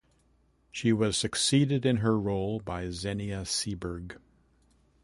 She was succeeded in her role by Xenia Seeberg.